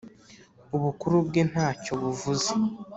ubukuru bwe natcyo buvuze.